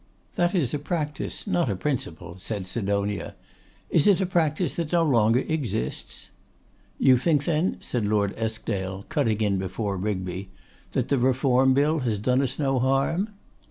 'That is a practice, not a principle,' said Sidonia. 'Is it a practice that no longer exists?' 'You think then,' said Lord Eskdale, cutting in before Rigby, 'that the Reform Bill has done us no harm?